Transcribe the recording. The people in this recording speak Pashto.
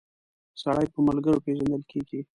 سړی په ملګرو پيژندل کیږی